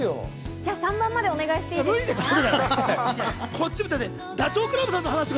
じゃあ３番までお願いしていいですか？